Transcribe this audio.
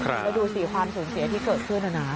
แล้วดูสิความสูญเสียที่เกิดขึ้นนะนะ